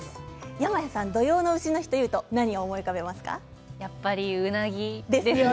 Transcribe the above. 山谷さん土用の丑というと何を思い浮かべますか？ですね。